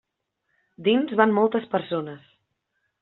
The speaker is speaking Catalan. Dins van moltes persones.